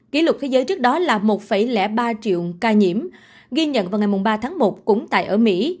kỷ lục thế giới trước đó là một ba triệu ca nhiễm ghi nhận vào ngày ba tháng một cũng tại ở mỹ